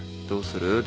どうする？